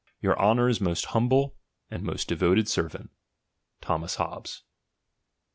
Your Honour's most humble, and most devoted Servant, Thomas Hobbes.